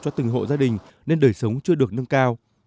cho từng hộ gia đình nên đời sống chưa được nâng cao